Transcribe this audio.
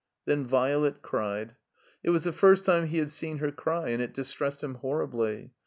Then Violet cried. It was the first time he had seen her cry, and it distressed him horribly.